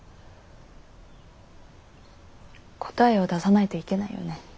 答えを出さないといけないよね。